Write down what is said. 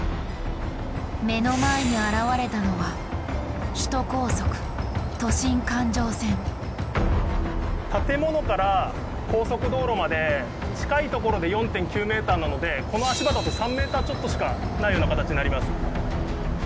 目の前に現れたのは建物から高速道路まで近い所で４．９メーターなのでこの足場だと３メーターちょっとしかないような形になります。